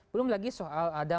belum lagi soal ada